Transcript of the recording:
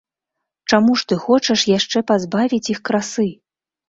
Чаму ж ты хочаш яшчэ пазбавіць іх красы!